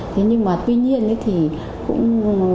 thế nhưng mà tuy nhiên thì cũng